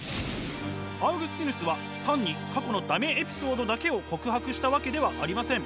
アウグスティヌスは単に過去の駄目エピソードだけを告白したわけではありません。